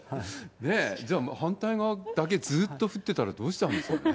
ねえ、じゃあ、反対側だけずっと降ってたらどうしちゃうんですかね。